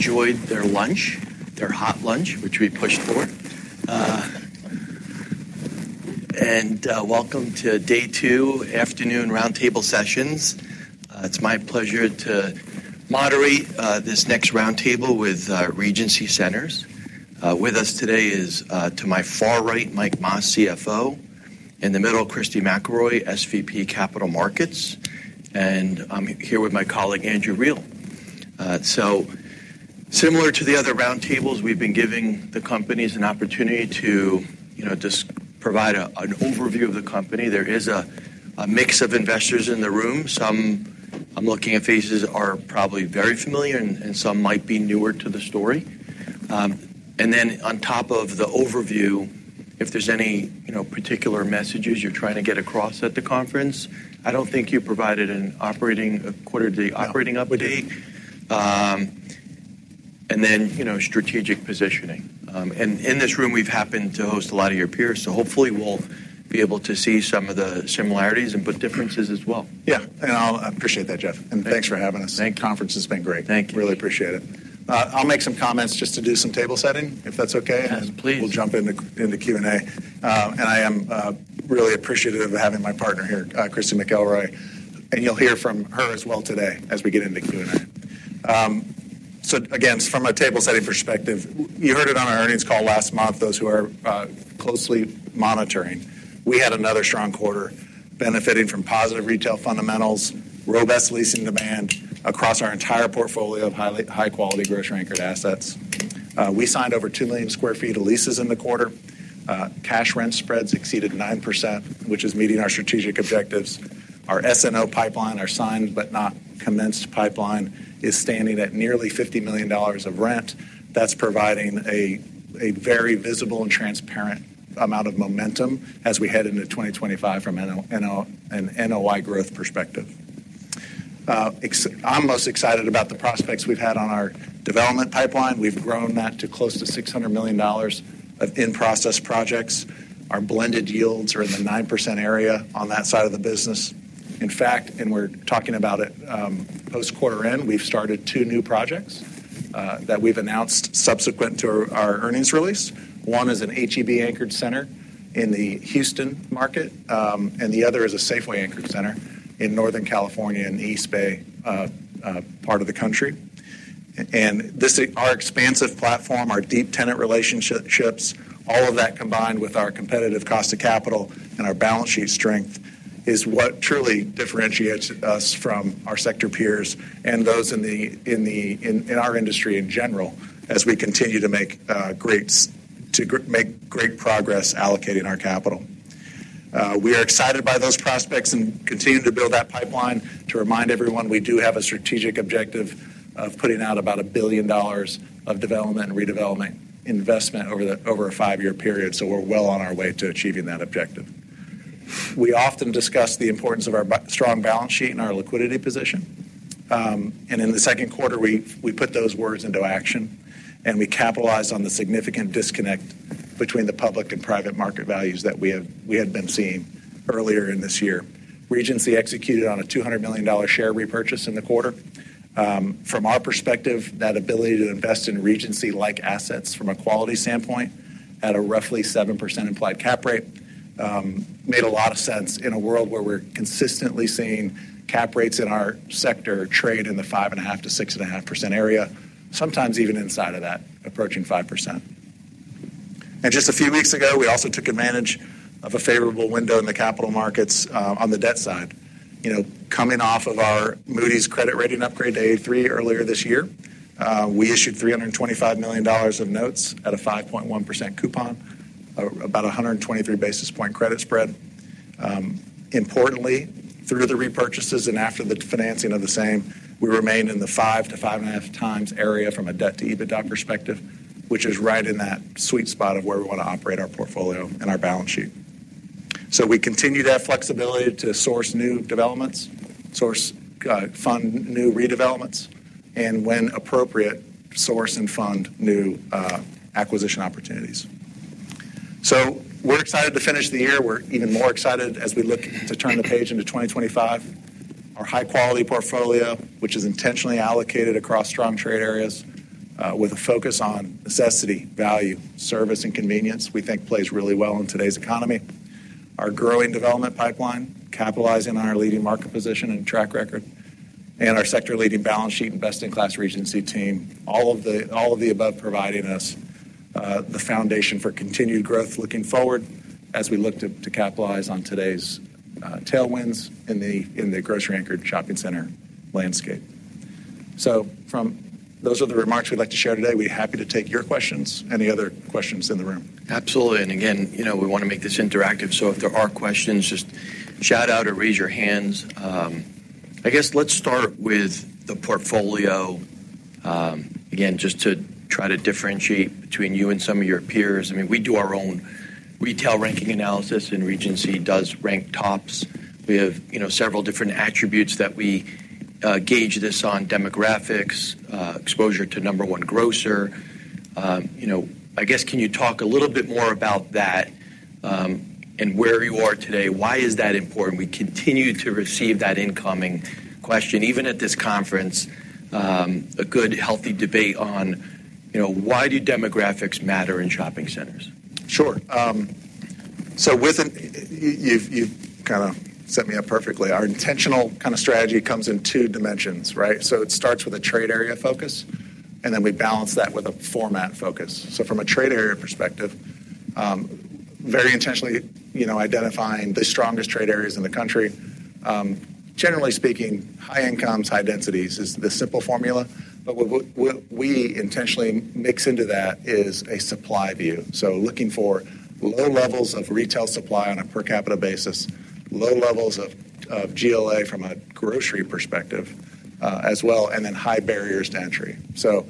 Everyone enjoyed their lunch, their hot lunch, which we pushed forward, and welcome to day two, afternoon roundtable sessions. It's my pleasure to moderate this next roundtable with Regency Centers. With us today is, to my far right, Mike Mas, CFO. In the middle, Christy McElroy, SVP Capital Markets, and I'm here with my colleague, Andrew Reale. So similar to the other roundtables, we've been giving the companies an opportunity to, you know, just provide an overview of the company. There is a mix of investors in the room. Some, I'm looking at faces, are probably very familiar and some might be newer to the story. And then on top of the overview, if there's any, you know, particular messages you're trying to get across at the conference, I don't think you provided a quarter-to-date operating update. And then, you know, strategic positioning. And in this room, we've happened to host a lot of your peers, so hopefully we'll be able to see some of the similarities and differences as well. Yeah, and I'll appreciate that, Jeff, and thanks for having us. Thank you. The conference has been great. Thank you. Really appreciate it. I'll make some comments just to do some table setting, if that's okay? Yes, please. And we'll jump into Q&A. I am really appreciative of having my partner here, Christy McElroy, and you'll hear from her as well today as we get into Q&A. So again, from a table-setting perspective, you heard it on our earnings call last month, those who are closely monitoring. We had another strong quarter benefiting from positive retail fundamentals, robust leasing demand across our entire portfolio of high-quality grocery-anchored assets. We signed over 2 million sq ft of leases in the quarter. Cash rent spreads exceeded 9%, which is meeting our strategic objectives. Our SNO pipeline, our signed but not commenced pipeline, is standing at nearly $50 million of rent. That's providing a very visible and transparent amount of momentum as we head into 2025 from an NOI growth perspective. I'm most excited about the prospects we've had on our development pipeline. We've grown that to close to $600 million of in-process projects. Our blended yields are in the 9% area on that side of the business. In fact, and we're talking about it, post-quarter end, we've started two new projects that we've announced subsequent to our earnings release. One is an H-E-B anchored center in the Houston market, and the other is a Safeway anchored center in Northern California, in the East Bay, part of the country. Our expansive platform, our deep tenant relationships, all of that combined with our competitive cost of capital and our balance sheet strength, is what truly differentiates us from our sector peers and those in our industry in general, as we continue to make great progress allocating our capital. We are excited by those prospects and continue to build that pipeline. To remind everyone, we do have a strategic objective of putting out about $1 billion of development and redevelopment investment over a five-year period, so we're well on our way to achieving that objective. We often discuss the importance of our strong balance sheet and our liquidity position, and in the second quarter, we put those words into action, and we capitalized on the significant disconnect between the public and private market values that we had been seeing earlier in this year. Regency executed on a $200 million share repurchase in the quarter. From our perspective, that ability to invest in Regency-like assets from a quality standpoint at a roughly 7% implied cap rate made a lot of sense in a world where we're consistently seeing cap rates in our sector trade in the 5.5%-6.5% area, sometimes even inside of that, approaching 5%. And just a few weeks ago, we also took advantage of a favorable window in the capital markets, on the debt side. You know, coming off of our Moody's credit rating upgrade to A3 earlier this year, we issued $325 million of notes at a 5.1% coupon, about 123 basis points credit spread. Importantly, through the repurchases and after the financing of the same, we remained in the 5 to 5.5 times area from a debt to EBITDA perspective, which is right in that sweet spot of where we want to operate our portfolio and our balance sheet. So we continue that flexibility to source new developments, source, fund new redevelopments, and when appropriate, source and fund new, acquisition opportunities. So we're excited to finish the year. We're even more excited as we look to turn the page into 2025. Our high-quality portfolio, which is intentionally allocated across strong trade areas with a focus on necessity, value, service, and convenience, we think plays really well in today's economy. Our growing development pipeline, capitalizing on our leading market position and track record, and our sector-leading balance sheet and best-in-class Regency team, all of the above providing us the foundation for continued growth looking forward as we look to capitalize on today's tailwinds in the grocery-anchored shopping center landscape. Those are the remarks we'd like to share today. We'd be happy to take your questions. Any other questions in the room? Absolutely, and again, you know, we wanna make this interactive, so if there are questions, just shout out or raise your hands. I guess let's start with the portfolio. Again, just to try to differentiate between you and some of your peers. I mean, we do our own retail ranking analysis, and Regency does rank tops. We have, you know, several different attributes that we gauge this on: demographics, exposure to number one grocer. You know, I guess can you talk a little bit more about that, and where you are today? Why is that important? We continue to receive that incoming question, even at this conference. A good, healthy debate on, you know, why do demographics matter in shopping centers? Sure. So you've kinda set me up perfectly. Our intentional kinda strategy comes in two dimensions, right? It starts with a trade area focus, and then we balance that with a format focus. So from a trade area perspective, very intentionally, you know, identifying the strongest trade areas in the country. Generally speaking, high incomes, high densities is the simple formula, but what we intentionally mix into that is a supply view. So looking for low levels of retail supply on a per capita basis, low levels of GLA from a grocery perspective, as well, and then high barriers to entry. So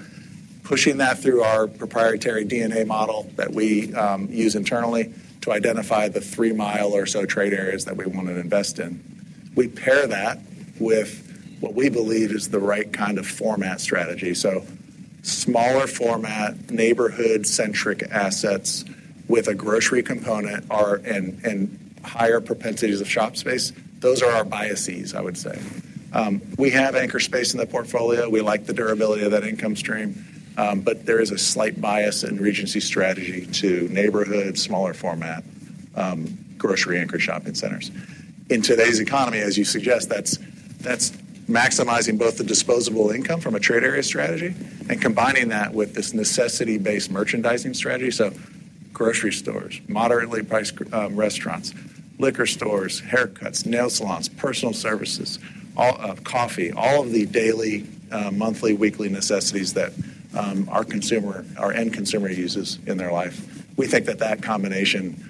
pushing that through our proprietary DNA model that we use internally to identify the three-mile or so trade areas that we wanna invest in. We pair that with what we believe is the right kind of format strategy. So smaller format, neighborhood-centric assets with a grocery component are... And higher propensities of shop space, those are our biases, I would say. We have anchor space in the portfolio. We like the durability of that income stream, but there is a slight bias in Regency strategy to neighborhood, smaller format, grocery anchor shopping centers. In today's economy, as you suggest, that's maximizing both the disposable income from a trade area strategy and combining that with this necessity-based merchandising strategy. So grocery stores, moderately priced restaurants, liquor stores, haircuts, nail salons, personal services, all, coffee, all of the daily, monthly, weekly necessities that our consumer, our end consumer uses in their life. We think that that combination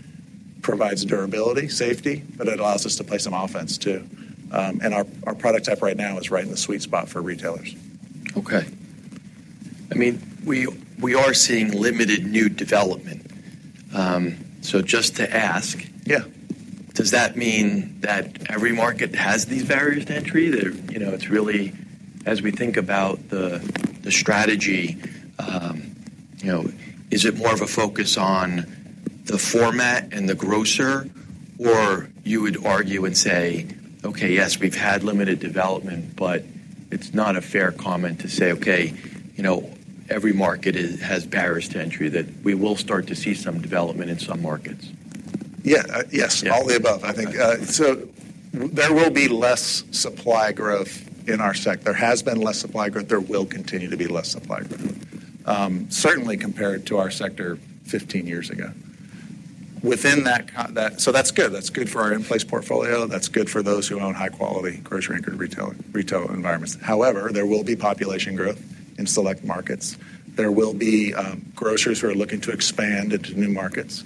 provides durability, safety, but it allows us to play some offense, too. And our product type right now is right in the sweet spot for retailers. Okay. I mean, we are seeing limited new development. So just to ask- Yeah. Does that mean that every market has these barriers to entry? That, you know, it's really, as we think about the strategy, you know, is it more of a focus on the format and the grocer? Or you would argue and say, "Okay, yes, we've had limited development, but it's not a fair comment to say, 'Okay, you know, every market has barriers to entry,' that we will start to see some development in some markets? Yeah, yes. Yeah. All the above, I think. So there will be less supply growth in our sector. There has been less supply growth. There will continue to be less supply growth, certainly compared to our sector fifteen years ago. Within that context. So that's good. That's good for our in-place portfolio. That's good for those who own high-quality grocery anchor retail environments. However, there will be population growth in select markets. There will be, groceries who are looking to expand into new markets,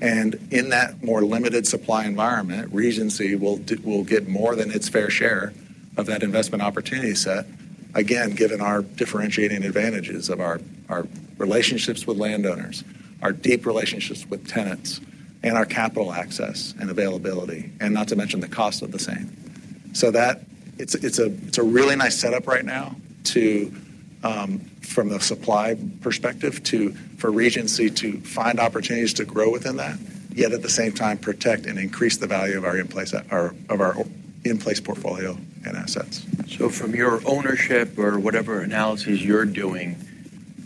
and in that more limited supply environment, Regency will get more than its fair share of that investment opportunity set. Again, given our differentiating advantages of our relationships with landowners, our deep relationships with tenants, and our capital access and availability, and not to mention the cost of the same. So that... It's a really nice setup right now, from the supply perspective, for Regency to find opportunities to grow within that, yet at the same time, protect and increase the value of our whole in-place portfolio and assets. So from your ownership or whatever analysis you're doing,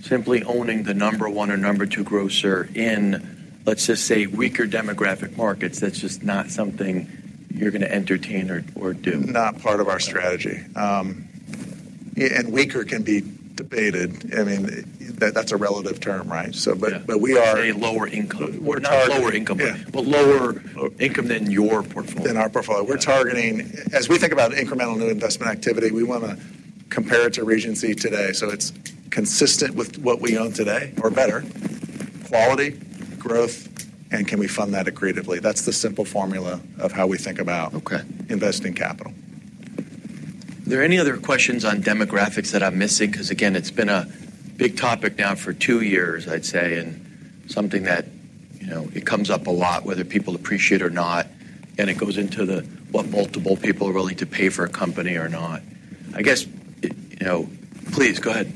simply owning the number one or number two grocer in, let's just say, weaker demographic markets, that's just not something you're gonna entertain or, or do? Not part of our strategy, and weaker can be debated. I mean, that, that's a relative term, right? So, but- Yeah. But we are- Say, lower income. We're target- Lower income. Yeah. But lower income than your portfolio. Than our portfolio. Yeah. We're targeting A- as we think about incremental new investment activity. We wanna compare it to Regency today, so it's consistent with what we own today or better: quality, growth, and can we fund that creditably? That's the simple formula of how we think about- Okay... investing capital. There any other questions on demographics that I'm missing? 'Cause again, it's been a big topic now for two years, I'd say, and something that, you know, it comes up a lot, whether people appreciate or not, and it goes into the, what multiple people are willing to pay for a company or not. I guess, it, you know... Please, go ahead.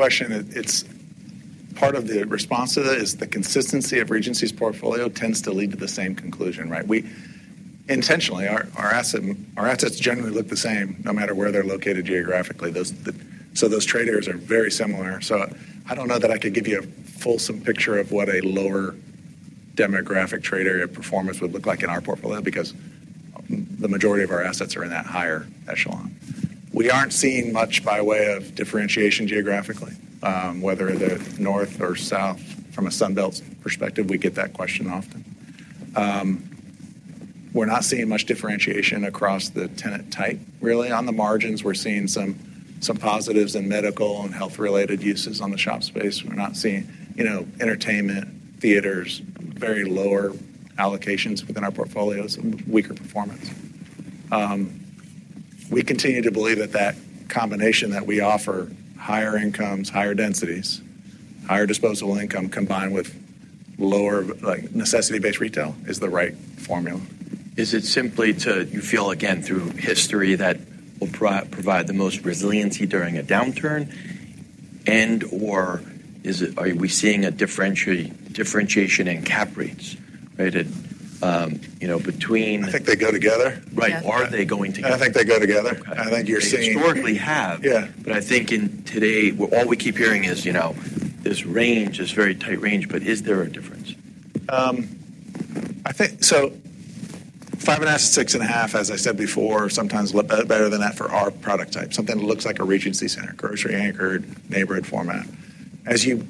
Maybe on the demographics. So is the recent variance in performance assets that are, like, good demo assets versus the middle-of-the-road demo assets, as far as, like, growth rates or market growth metrics go? Yeah. It's a good question, and it's part of the response to that is the consistency of Regency's portfolio tends to lead to the same conclusion, right? We intentionally, our assets generally look the same no matter where they're located geographically. So those trade areas are very similar. So I don't know that I could give you a fulsome picture of what a lower demographic trade area performance would look like in our portfolio because the majority of our assets are in that higher echelon. We aren't seeing much by way of differentiation geographically, whether they're north or south. From a Sun Belt perspective, we get that question often. We're not seeing much differentiation across the tenant type, really. On the margins, we're seeing some positives in medical and health-related uses on the shop space. We're not seeing, you know, entertainment, theaters, very lower allocations within our portfolios and weaker performance. We continue to believe that that combination that we offer, higher incomes, higher densities, higher disposable income, combined with lower, like, necessity-based retail, is the right formula. Is it simply to you feel, again, through history, that will provide the most resiliency during a downturn? And/or is it are we seeing a differentiation in cap rates, right, at, you know, between- I think they go together. Right. Yeah. Are they going together? I think they go together. I think you're seeing- They historically have. Yeah. But I think in today, all we keep hearing is, you know, this range, this very tight range, but is there a difference? I think... So five and a half to six and a half, as I said before, sometimes better than that for our product type, something that looks like a Regency center, grocery-anchored, neighborhood format. As you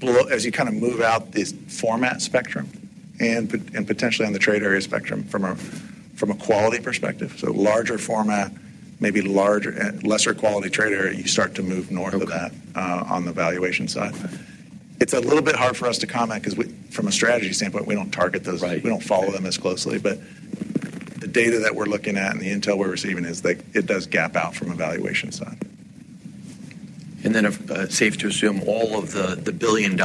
kind of move out this format spectrum, and potentially on the trade area spectrum, from a quality perspective, so larger format, maybe larger, lesser quality trade area, you start to move north of that- Okay... on the valuation side. It's a little bit hard for us to comment because we, from a strategy standpoint, we don't target those- Right... we don't follow them as closely, but the data that we're looking at and the intel we're receiving is that it does gap out from a valuation side. Then, if safe to assume all of the $1 billion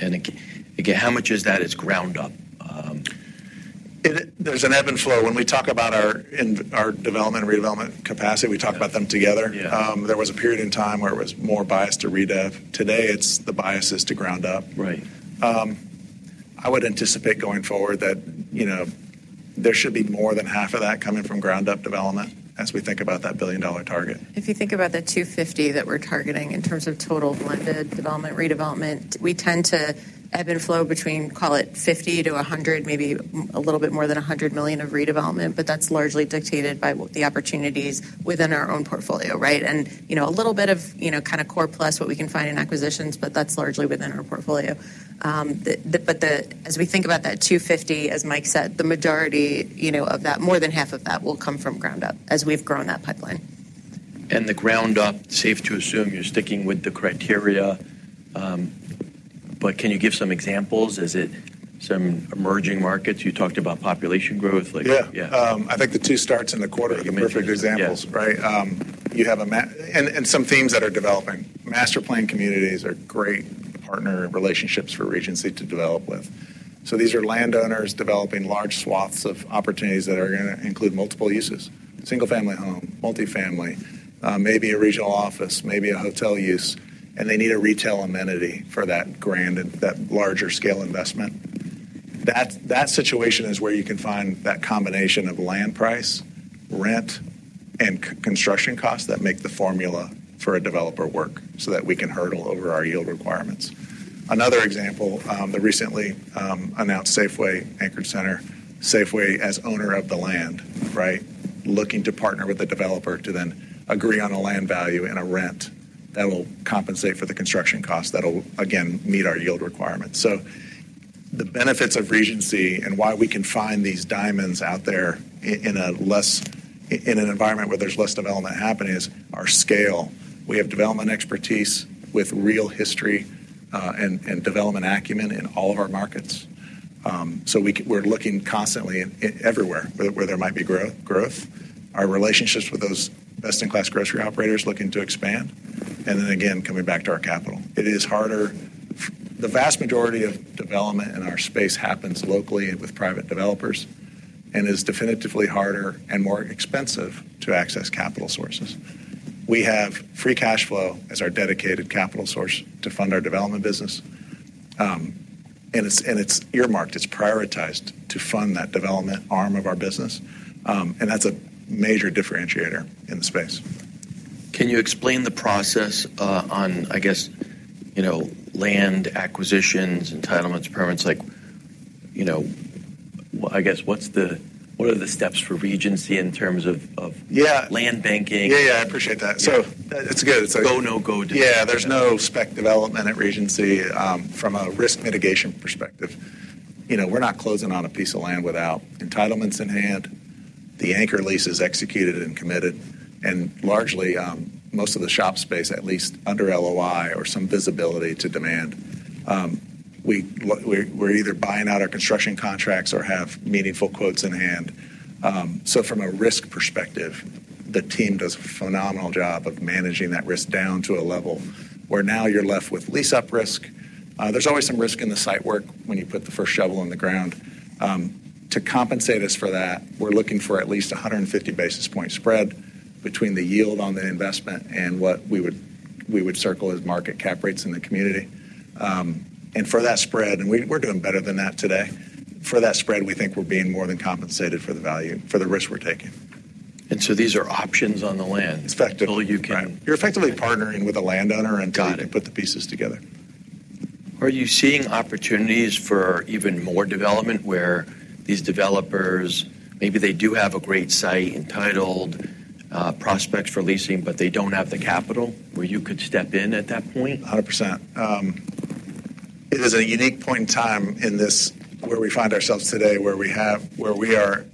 and again, how much of that is ground up? It's, there's an ebb and flow. When we talk about our development and redevelopment capacity, we talk about them together. Yeah. There was a period in time where it was more biased to redev. Today, it's the bias is to ground up. Right. I would anticipate, going forward, that, you know, there should be more than half of that coming from ground-up development as we think about that billion-dollar target. If you think about the $250 million that we're targeting in terms of total blended development, redevelopment, we tend to ebb and flow between, call it, $50-$100 million, maybe a little bit more than $100 million of redevelopment, but that's largely dictated by the opportunities within our own portfolio, right? And, you know, a little bit of, you know, kind of core plus what we can find in acquisitions, but that's largely within our portfolio. As we think about that $250 million, as Mike said, the majority, you know, of that, more than half of that, will come from ground up as we've grown that pipeline. From the ground up, safe to assume you're sticking with the criteria, but can you give some examples? Is it some emerging markets? You talked about population growth, like- Yeah. Yeah. I think the two starts in the quarter are the perfect examples. Yeah. Right? You have some themes that are developing. Master-planned communities are great partner relationships for Regency to develop with. So these are landowners developing large swaths of opportunities that are gonna include multiple uses: single-family home, multifamily, maybe a regional office, maybe a hotel use, and they need a retail amenity for that grand and that larger-scale investment. That situation is where you can find that combination of land price, rent, and construction costs that make the formula for a developer work, so that we can hurdle over our yield requirements. Another example, the recently announced Safeway anchored center. Safeway, as owner of the land, right, looking to partner with a developer to then agree on a land value and a rent that will compensate for the construction cost, that'll, again, meet our yield requirements. The benefits of Regency and why we can find these diamonds out there in an environment where there's less development happening is our scale. We have development expertise with real history, and development acumen in all of our markets. So we're looking constantly everywhere where there might be growth, our relationships with those best-in-class grocery operators looking to expand, and then again, coming back to our capital. It is harder. The vast majority of development in our space happens locally and with private developers and is definitively harder and more expensive to access capital sources. We have free cash flow as our dedicated capital source to fund our development business, and it's earmarked, it's prioritized to fund that development arm of our business. And that's a major differentiator in the space. Can you explain the process, on, I guess, you know, land acquisitions, entitlements, permits? Like, you know, I guess, what's the... What are the steps for Regency in terms of, of- Yeah... land banking? Yeah, yeah, I appreciate that. Yeah. So it's good, it's like- Go, no-go. Yeah, there's no spec development at Regency. From a risk mitigation perspective, you know, we're not closing on a piece of land without entitlements in hand, the anchor leases executed and committed, and largely, most of the shop space, at least under LOI or some visibility to demand. We're either buying out our construction contracts or have meaningful quotes in hand. So from a risk perspective, the team does a phenomenal job of managing that risk down to a level where now you're left with lease-up risk. There's always some risk in the site work when you put the first shovel in the ground. To compensate us for that, we're looking for at least a hundred and fifty basis point spread between the yield on the investment and what we would circle as market cap rates in the community. And for that spread, and we're doing better than that today. For that spread, we think we're being more than compensated for the value, for the risk we're taking. And so these are options on the land- Effective- -until you can- Right. You're effectively partnering with a landowner- Got it... until you put the pieces together. Are you seeing opportunities for even more development, where these developers, maybe they do have a great site, entitled, prospects for leasing, but they don't have the capital, where you could step in at that point? 100%. It is a unique point in time in this, where we find ourselves today, where we have where we are.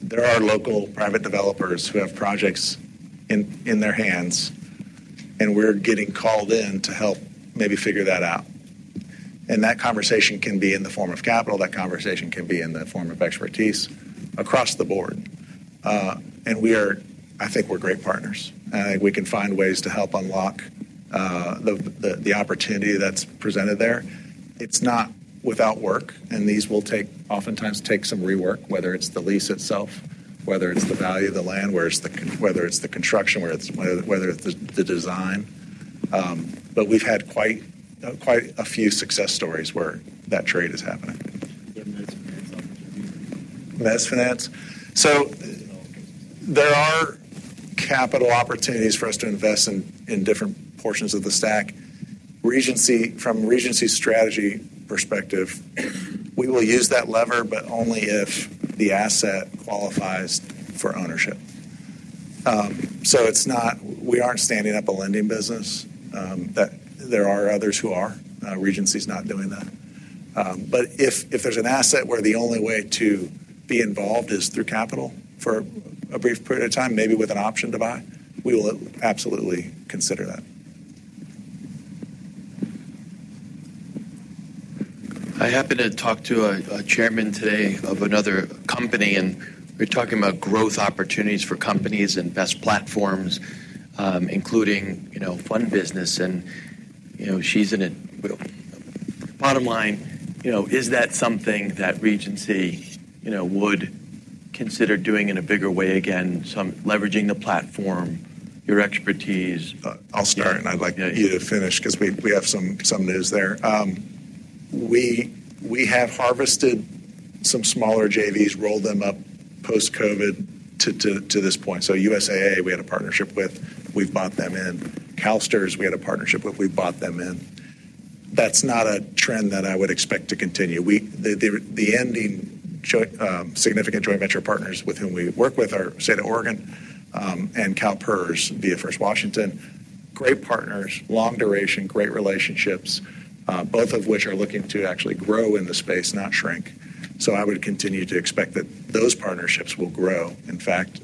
There are local private developers who have projects in their hands, and we're getting called in to help maybe figure that out. And that conversation can be in the form of capital, that conversation can be in the form of expertise across the board. And we are I think we're great partners, and I think we can find ways to help unlock the opportunity that's presented there. It's not without work, and these will take, oftentimes take some rework, whether it's the lease itself, whether it's the value of the land, whether it's the construction, whether it's the design. But we've had quite a few success stories where that trade is happening. There are mezz finance opportunities? Mezz finance? In all cases. There are capital opportunities for us to invest in, in different portions of the stack. Regency, from Regency's strategy perspective, we will use that lever, but only if the asset qualifies for ownership. So it's not. We aren't standing up a lending business, but there are others who are. Regency's not doing that, but if there's an asset where the only way to be involved is through capital for a brief period of time, maybe with an option to buy, we will absolutely consider that. I happened to talk to a chairman today of another company, and we're talking about growth opportunities for companies and best platforms, including, you know, fund business, and, you know, she's in it. Bottom line, you know, is that something that Regency, you know, would consider doing in a bigger way again, some leveraging the platform, your expertise? I'll start, and I'd like you to finish 'cause we have some news there. We have harvested some smaller JVs, rolled them up post-COVID to this point. So USAA, we had a partnership with, we've bought them in. CalSTRS, we had a partnership with, we bought them in. That's not a trend that I would expect to continue. We the ending joint significant joint venture partners with whom we work with are State of Oregon and CalPERS, via First Washington. Great partners, long duration, great relationships, both of which are looking to actually grow in the space, not shrink. So I would continue to expect that those partnerships will grow. In fact,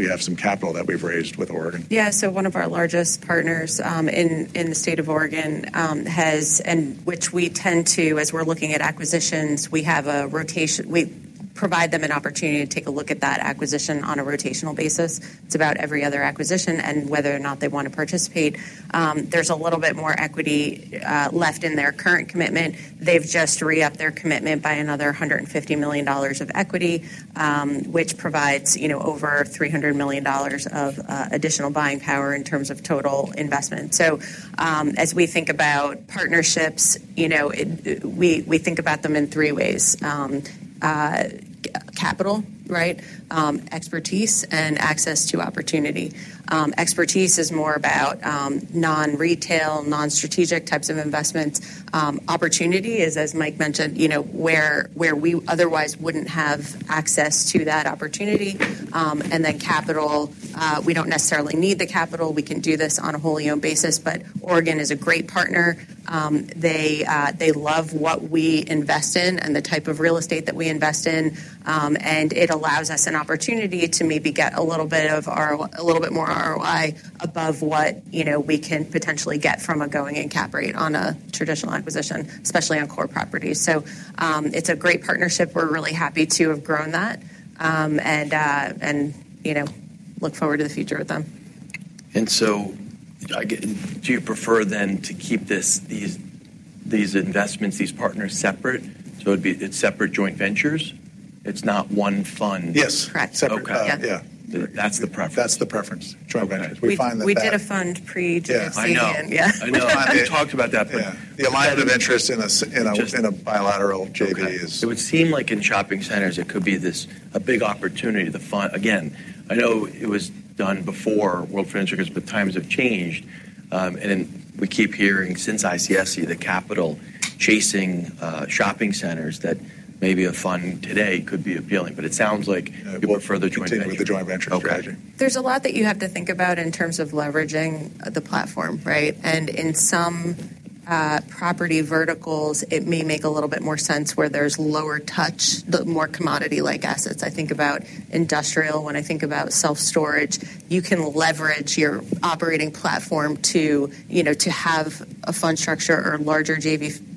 we have some capital that we've raised with Oregon. Yeah, so one of our largest partners in the State of Oregon has, and which we tend to, as we're looking at acquisitions, we provide them an opportunity to take a look at that acquisition on a rotational basis. It's about every other acquisition and whether or not they want to participate. There's a little bit more equity left in their current commitment. They've just re-up their commitment by another $150 million of equity, which provides, you know, over $300 million of additional buying power in terms of total investment. So, as we think about partnerships, you know, it, we, we think about them in three ways. Capital, right? Expertise, and access to opportunity. Expertise is more about non-retail, non-strategic types of investments. Opportunity is, as Mike mentioned, you know, where we otherwise wouldn't have access to that opportunity. And then capital, we don't necessarily need the capital. We can do this on a wholly owned basis, but Oregon is a great partner. They love what we invest in and the type of real estate that we invest in. And it allows us an opportunity to maybe get a little bit of our... a little bit more ROI above what, you know, we can potentially get from a going-in cap rate on a traditional acquisition, especially on core properties. So, it's a great partnership. We're really happy to have grown that, and, you know, look forward to the future with them. And so, do you prefer then to keep these investments, these partners separate, so it'd be... It's separate joint ventures? It's not one fund. Yes. Correct. Separate, yeah. That's the preference. That's the preference. Joint ventures. Okay. We find that, We did a fund pre to ICSC. Yeah. I know. Yeah. I know. We talked about that before. Yeah. The alignment of interest in a bilateral JV is- It would seem like in shopping centers, it could be this, a big opportunity to fund. Again, I know it was done before world financial, but times have changed, and we keep hearing, since ICSC, the capital chasing, shopping centers, that maybe a fund today could be appealing, but it sounds like you went further joint venture. Continue with the joint venture strategy. Okay. There's a lot that you have to think about in terms of leveraging the platform, right? And in some property verticals, it may make a little bit more sense where there's lower touch, the more commodity-like assets. I think about industrial. When I think about self-storage, you can leverage your operating platform to, you know, to have a fund structure or larger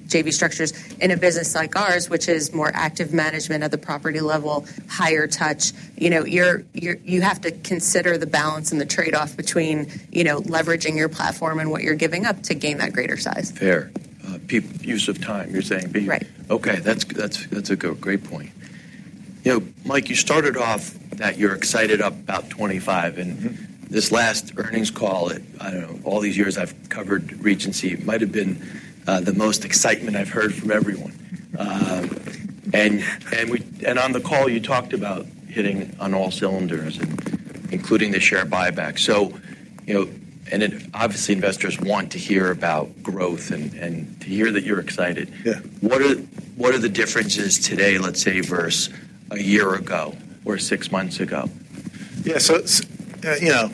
JV structures. In a business like ours, which is more active management at the property level, higher touch, you know, you have to consider the balance and the trade-off between, you know, leveraging your platform and what you're giving up to gain that greater size. Fair. Proper use of time, you're saying? Right. Okay, that's a go, great point. You know, Mike, you started off that you're excited about twenty-five, and- Mm-hmm. This last earnings call, I don't know, all these years I've covered Regency, might have been the most excitement I've heard from everyone. And on the call, you talked about hitting on all cylinders, including the share buyback. So, you know, and then, obviously, investors want to hear about growth and to hear that you're excited. Yeah. What are the differences today, let's say, versus a year ago or six months ago? Yeah, so you know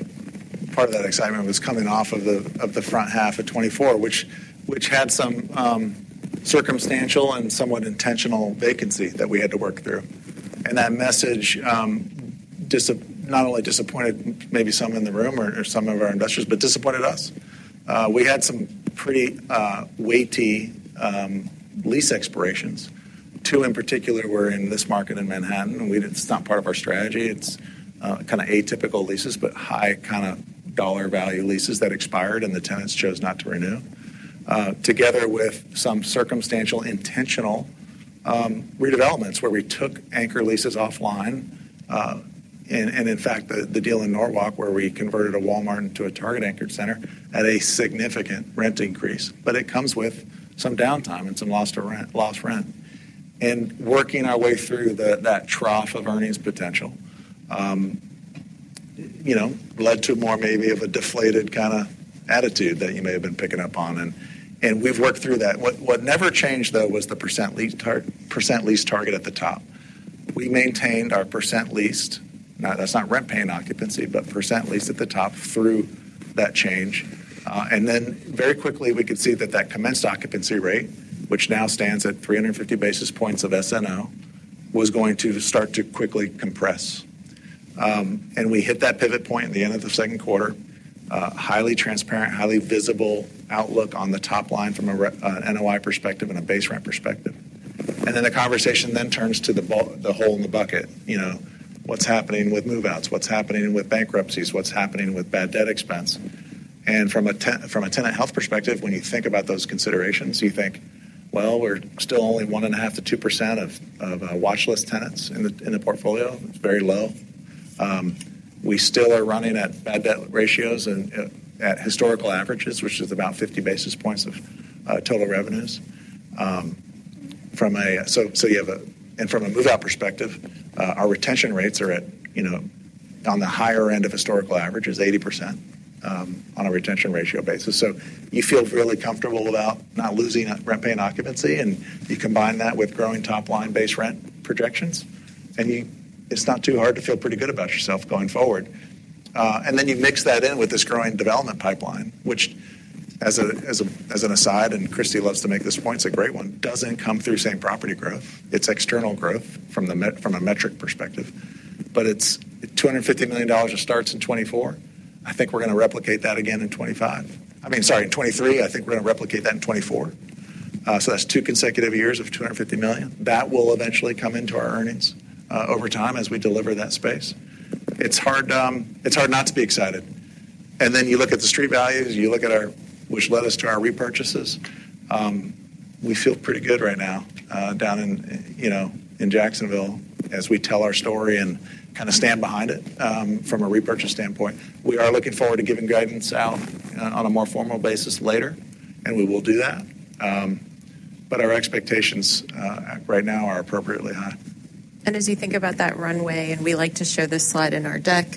part of that excitement was coming off of the front half of twenty-four, which had some circumstantial and somewhat intentional vacancy that we had to work through. And that message not only disappointed maybe some in the room or some of our investors, but disappointed us. We had some pretty weighty lease expirations. Two in particular were in this market in Manhattan, and it's not part of our strategy. It's kind of atypical leases, but high kind of dollar value leases that expired, and the tenants chose not to renew. Together with some circumstantial, intentional redevelopments, where we took anchor leases offline. And in fact, the deal in Norwalk, where we converted a Walmart into a Target anchored center at a significant rent increase. But it comes with some downtime and some lost rent, lost rent. And working our way through that trough of earnings potential, you know, led to more maybe of a deflated kind of attitude that you may have been picking up on, and we've worked through that. What never changed, though, was the percent leased target at the top. We maintained our percent leased. Now, that's not rent-paying occupancy, but percent leased at the top through that change. And then very quickly, we could see that that commenced occupancy rate, which now stands at three hundred and fifty basis points of SNO, was going to start to quickly compress. And we hit that pivot point in the end of the second quarter, highly transparent, highly visible outlook on the top line from a NOI perspective and a base rent perspective. And then the conversation then turns to the hole in the bucket. You know, what's happening with move-outs? What's happening with bankruptcies? What's happening with bad debt expense? And from a tenant health perspective, when you think about those considerations, you think, well, we're still only 1.5%-2% of watch list tenants in the portfolio. It's very low. We still are running at bad debt ratios and at historical averages, which is about 50 basis points of total revenues. From a... And from a move-out perspective, our retention rates are at, you know, on the higher end of historical averages, 80%, on a retention ratio basis. So you feel really comfortable about not losing rent-paying occupancy, and you combine that with growing top-line base rent projections, and it's not too hard to feel pretty good about yourself going forward. And then you mix that in with this growing development pipeline, which as an aside, and Christy loves to make this point, it's a great one, doesn't come through same-property growth. It's external growth from a metric perspective, but it's $250 million that starts in 2024. I think we're gonna replicate that again in 2025. I mean, sorry, in 2023. I think we're gonna replicate that in 2024. So that's two consecutive years of $250 million. That will eventually come into our earnings over time, as we deliver that space. It's hard, it's hard not to be excited. And then you look at the street values, you look at our... Which led us to our repurchases. We feel pretty good right now, down in, you know, in Jacksonville, as we tell our story and kind of stand behind it, from a repurchase standpoint. We are looking forward to giving guidance out on a more formal basis later, and we will do that. But our expectations right now are appropriately high. And as you think about that runway, and we like to show this slide in our deck,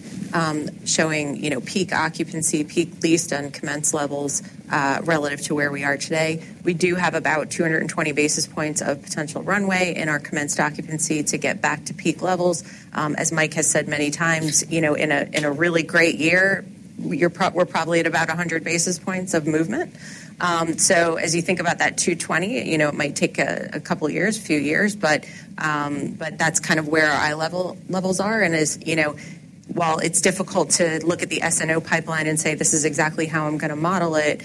showing, you know, peak occupancy, peak leased, and commenced levels, relative to where we are today. We do have about 220 basis points of potential runway in our commenced occupancy to get back to peak levels. As Mike has said many times, you know, in a really great year, we're probably at about 100 basis points of movement. So as you think about that 220, you know, it might take a couple of years, a few years, but, but that's kind of where our eye levels are. As you know, while it's difficult to look at the SNO pipeline and say, "This is exactly how I'm gonna model it,"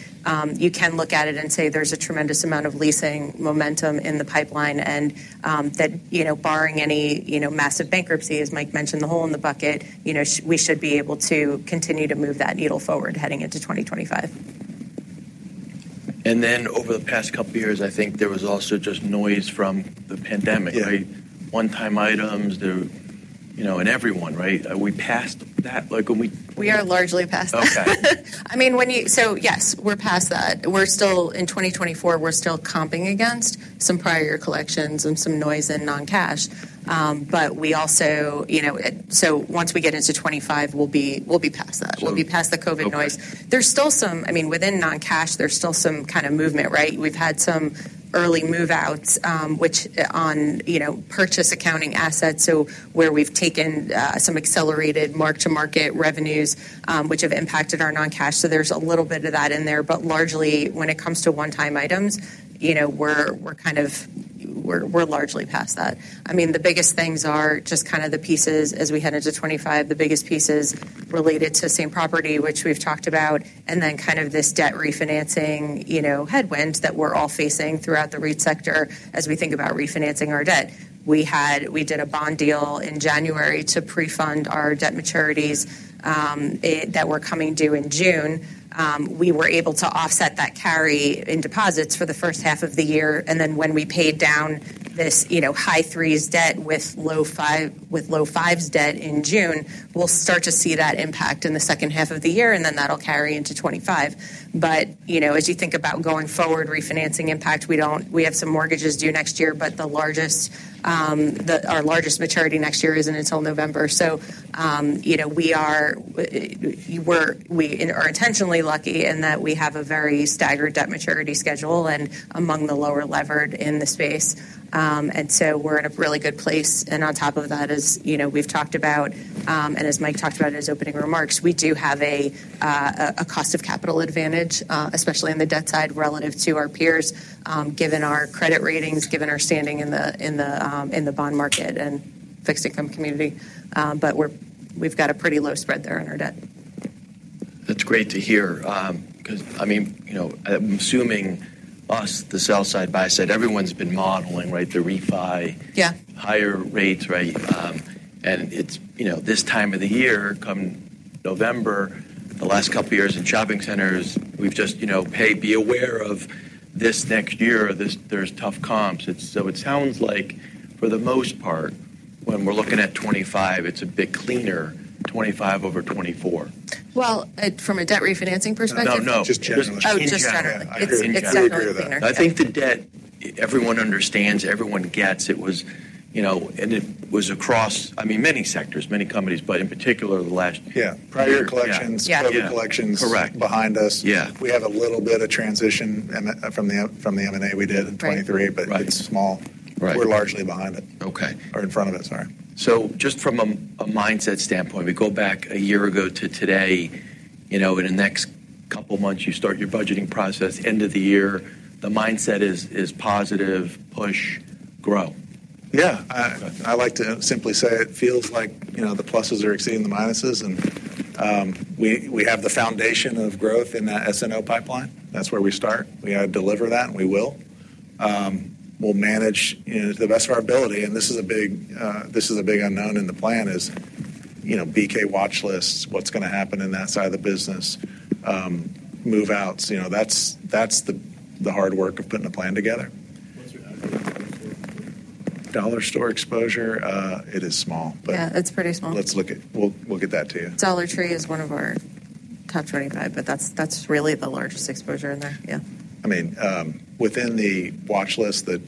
you can look at it and say, there's a tremendous amount of leasing momentum in the pipeline and that you know, barring any you know, massive bankruptcy, as Mike mentioned, the hole in the bucket you know, we should be able to continue to move that needle forward heading into twenty twenty-five. And then over the past couple of years, I think there was also just noise from the pandemic, right? Yeah. One-time items there, you know, and everyone, right? Are we past that? Like, when we- We are largely past that. Okay. I mean, so yes, we're past that. We're still, in 2024, we're still comping against some prior year collections and some noise in non-cash. But we also, you know, so once we get into 2025, we'll be past that. Sure. We'll be past the COVID noise. Okay. There's still some. I mean, within non-cash, there's still some kind of movement, right? We've had some early move-outs, which, on, you know, purchase accounting assets, so where we've taken some accelerated mark-to-market revenues, which have impacted our non-cash, so there's a little bit of that in there. But largely, when it comes to one-time items, you know, we're kind of largely past that. I mean, the biggest things are just kind of the pieces as we head into 2025, the biggest pieces related to same property, which we've talked about, and then kind of this debt refinancing, you know, headwind that we're all facing throughout the REIT sector as we think about refinancing our debt. We did a bond deal in January to prefund our debt maturities, that were coming due in June. We were able to offset that carry in deposits for the first half of the year, and then when we paid down this, you know, high threes debt with low fives debt in June, we'll start to see that impact in the second half of the year, and then that'll carry into 2025. But, you know, as you think about going forward, refinancing impact, we don't have some mortgages due next year, but the largest, our largest maturity next year isn't until November. So, you know, we are intentionally lucky in that we have a very staggered debt maturity schedule and among the lower levered in the space. And so we're in a really good place, and on top of that, as you know, we've talked about, and as Mike talked about in his opening remarks, we do have a cost of capital advantage, especially on the debt side, relative to our peers, given our credit ratings, given our standing in the bond market and fixed-income community. But we've got a pretty low spread there on our debt.... That's great to hear. 'Cause, I mean, you know, I'm assuming us, the sell side, buy side, everyone's been modeling, right, the refi- Yeah. Higher rates, right? And it's, you know, this time of the year, come November, the last couple of years in shopping centers, we've just, you know, be aware of this next year, this, there's tough comps. So it sounds like, for the most part, when we're looking at 2025, it's a bit cleaner, 2025 over 2024. From a debt refinancing perspective? No, no. Just generally. Oh, just generally. Yeah. It's definitely cleaner. I agree with that. I think the debt, everyone understands, everyone gets. It was, you know, and it was across, I mean, many sectors, many companies, but in particular, the last- Yeah. Year. Prior collections. Yeah. COVID collections- Correct -behind us. Yeah. We have a little bit of transition from the M&A we did in 2023. Right. but it's small. Right. We're largely behind it. Okay. or in front of it, sorry. So just from a mindset standpoint, we go back a year ago to today, you know, in the next couple of months, you start your budgeting process. End of the year, the mindset is positive, push, grow? Yeah. I like to simply say it feels like, you know, the pluses are exceeding the minuses, and we have the foundation of growth in that SNO pipeline. That's where we start. We gotta deliver that, and we will. We'll manage, you know, to the best of our ability, and this is a big, this is a big unknown, and the plan is, you know, BK watch lists, what's gonna happen in that side of the business, move-outs, you know, that's the hard work of putting a plan together. What's your Dollar Tree exposure? Dollar store exposure? It is small, but- Yeah, it's pretty small. We'll get that to you. Dollar Tree is one of our top twenty-five, but that's, that's really the largest exposure in there. Yeah. I mean, within the watch list, the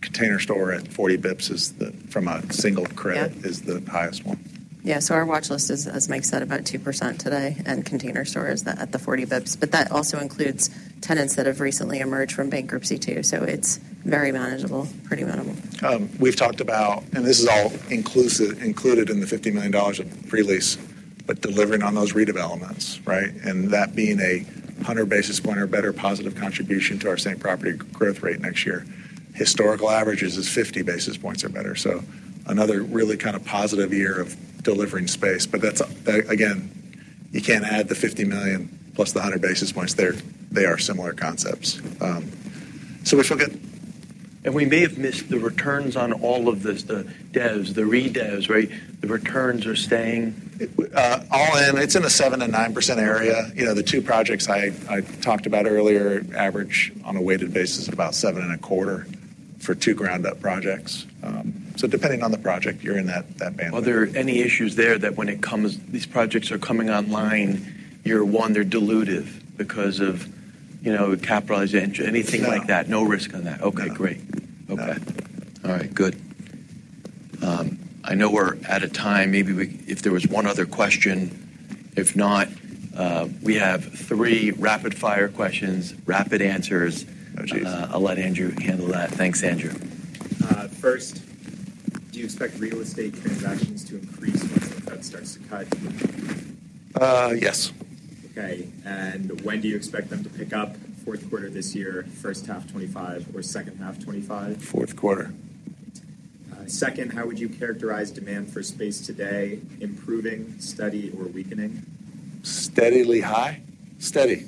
Container Store at 40 basis points is the, from a single credit- Yeah is the highest one. Yeah, so our watch list is, as Mike said, about 2% today, and Container Store is the, at the 40 basis points, but that also includes tenants that have recently emerged from bankruptcy, too, so it's very manageable, pretty manageable. We've talked about, and this is all inclusive, included in the $50 million of pre-lease, but delivering on those redevelopments, right? And that being a 100 basis points or better positive contribution to our same property growth rate next year. Historical averages is 50 basis points or better, so another really kind of positive year of delivering space, but that's, again, you can't add the $50 million plus the 100 basis points. They're, they are similar concepts. So we feel good. And we may have missed the returns on all of this, the devs, the re-devs, right? The returns are staying? All in, it's in a 7%-9% area. You know, the two projects I talked about earlier average on a weighted basis about seven and a quarter for two ground-up projects. So depending on the project, you're in that bandwidth. Are there any issues there that when it comes, these projects are coming online, year one, they're dilutive because of, you know, capitalized interest? No. Anything like that? No risk on that. No. Okay, great. No. Okay. All right, good. I know we're out of time. Maybe we, if there was one other question. If not, we have three rapid-fire questions, rapid answers. Oh, jeez. I'll let Andrew handle that. Thanks, Andrew. First, do you expect real estate transactions to increase once the Fed starts to cut? Uh, yes. Okay, and when do you expect them to pick up? Fourth quarter this year, first half, 2025, or second half, 2025? Fourth quarter. Second, how would you characterize demand for space today? Improving, steady, or weakening? Steadily high. Steady.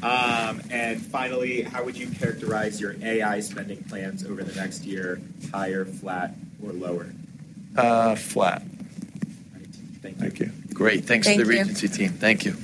And finally, how would you characterize your AI spending plans over the next year? Higher, flat, or lower? Uh, flat. All right. Thank you. Thank you. Great. Thank you. Thanks to the Regency team. Thank you.